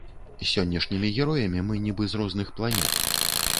З сённяшнімі героямі мы нібы з розных планет.